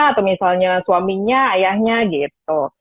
atau misalnya suaminya ayahnya gitu